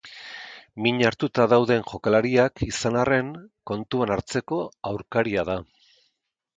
Min hartuta dauden jokalariak izan arren kontuan hartzeko aurkaria da.